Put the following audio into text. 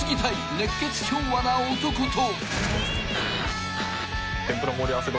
［熱血昭和な男と］